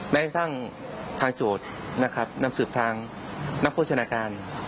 แม้กระทั่งทางโจทย์นะครับนำสืบทางนักโภชนาการ